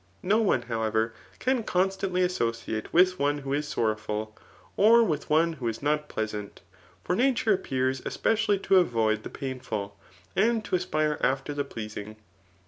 No one, however, can constantly as sociate with one who is sorrowful, or with one who is not pleasant. For nature appears especially to avoid the painful, and to aspire after the pleasing.